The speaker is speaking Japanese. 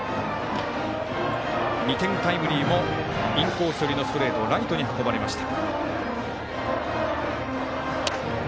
２点タイムリーもインコース寄りのストレートをライトに運ばれました。